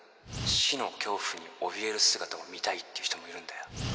死の恐怖におびえる姿を見たいっていう人もいるんだよ